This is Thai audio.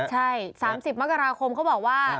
ใช่๓๐มกราคมเขาบอกว่า